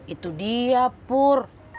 itu dia pur